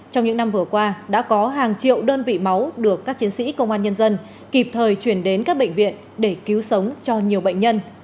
trong những năm vừa qua đã có hàng triệu đơn vị máu được các chiến sĩ công an nhân dân kịp thời chuyển đến các bệnh viện để cứu sống cho nhiều bệnh nhân